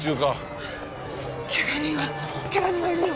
ケガ人はケガ人はいるの？